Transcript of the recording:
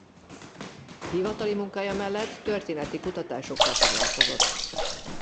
Hivatali munkája mellett történeti kutatásokkal foglalkozott.